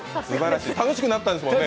楽しかったんですもんね。